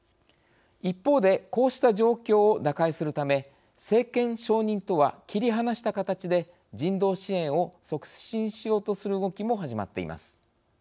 一方でこうした状況を打開するため政権承認とは切り離した形で人道支援を促進しようとする動きも始まっています。